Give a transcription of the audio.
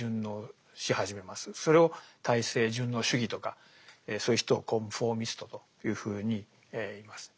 それを体制順応主義とかそういう人をコンフォーミストというふうにいいます。